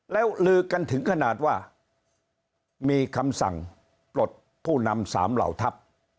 แล้วลือกันถึงขนาดว่ามีคำสั่งปลดผู้นำสามเหล่าทัพ